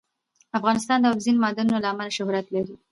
افغانستان د اوبزین معدنونه له امله شهرت لري.